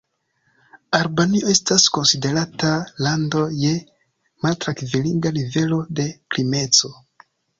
Albanio estas konsiderata lando je maltrankviliga nivelo de krimeco.